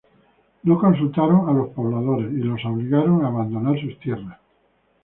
Los pobladores no fueron consultados y se los obligó a abandonar sus tierras.